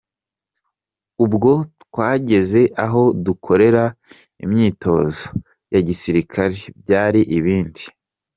Ubwo twageze aho dukorera imyitozo ya gisirikari, byari ibindi.